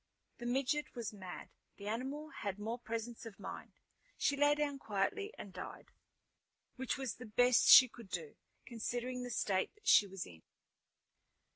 The midget was mad. The animal had more presence of mind: she lay down quietly and died, which was the best she could do, considering the state that she was in.